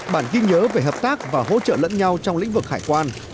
bản ghi nhớ về hợp tác và hỗ trợ lẫn nhau trong lĩnh vực hải quan